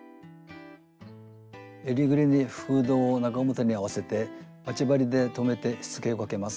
えりぐりにフードを中表に合わせて待ち針で留めてしつけをかけます。